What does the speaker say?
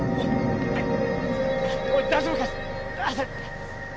おい大丈夫か！